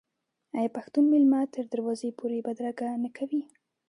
آیا پښتون میلمه تر دروازې پورې بدرګه نه کوي؟